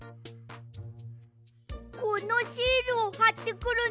このシールをはってくるんだ。